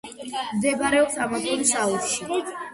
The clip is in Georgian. მდებარეობს ამაზონის აუზში.